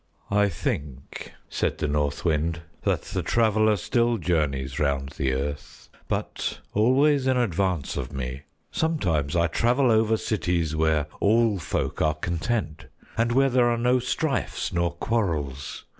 "I think," said the North Wind, "that the Traveler still journeys round the earth, but always in advance of me. Sometimes I travel over cities where all folk are content, and where there are no strifes nor quarrels.